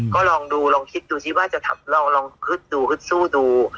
ก็ลองดูลองคิดดูสิว่าจะลองฮึดดูฮึดสู้ดู